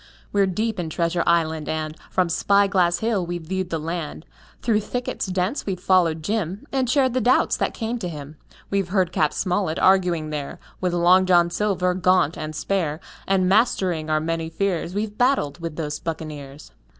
We're deep in Treasure Island, and From Spy Glass Hill we've viewed the land; Through thickets dense we've followed Jim And shared the doubts that came to him. We've heard Cap. Smollett arguing there With Long John Silver, gaunt and spare, And mastering our many fears We've battled with those buccaneers.